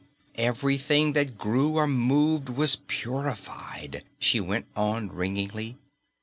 "Everything that grew or moved was purified," she went on ringingly.